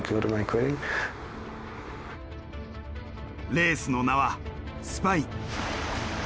レースの名はスパイン。